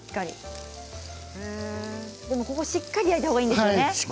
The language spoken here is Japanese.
ここはしっかり焼いたほうがいいんですね。